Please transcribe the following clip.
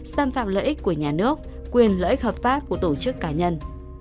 xâm phạm lợi ích của nhà nước quyền lợi ích hợp pháp của tổ chức cá nhân